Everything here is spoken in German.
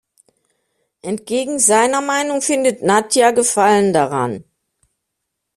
Entgegen seiner Meinung findet Nadia Gefallen daran.